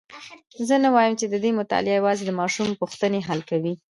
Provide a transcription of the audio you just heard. زه نه وایم چې ددې مطالعه یوازي د ماشومانو پوښتني حل کوي.